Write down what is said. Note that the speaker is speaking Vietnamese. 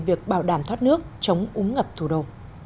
việc bảo đảm thoát nước chống úng ngập thủ đô